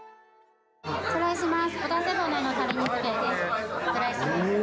失礼します。